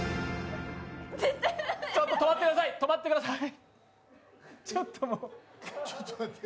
止まってください、止まってください。